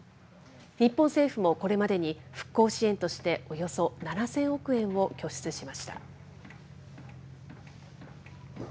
日本政府もこれまでに、復興支援としておよそ７０００億円を拠出しました。